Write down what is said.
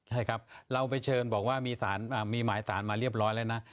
ใช่ครับเราไปเชิญบอกว่ามีหมายสารมาเรียบร้อยแล้วนะ